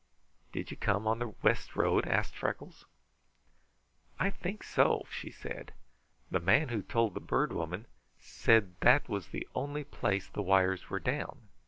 "Did you come on the west road?" asked Freckles. "I think so," she said. "The man who told the Bird Woman said that was the only place the wires were down.